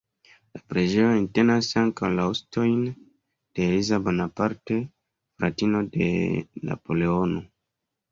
La preĝejo entenas ankaŭ la ostojn de Eliza Bonaparte, fratino de Napoleono.